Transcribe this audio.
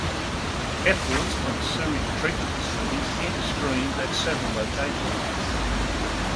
Effluents from sewage treatment facilities enter streams at several locations.